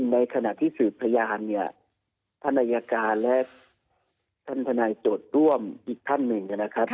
ในขณะที่สืบพยานเนี่ยท่านอายการและท่านทนายโจทย์ร่วมอีกท่านหนึ่งนะครับ